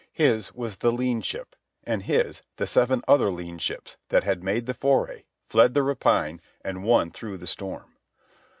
His was the lean ship, and his the seven other lean ships that had made the foray, fled the rapine, and won through the storm.